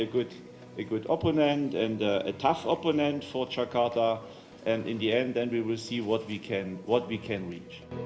kita akan menjadi musuh yang keras untuk jakarta dan kita akan melihat apa yang kita bisa capai